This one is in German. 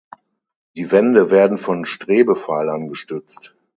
Die Wände werden von Strebepfeilern gestützt.